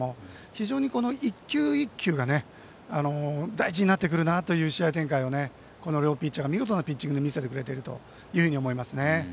非常に１球１球が大事になってくるなという試合展開をこの両ピッチャーが見事なピッチングで見せてくれていると思います。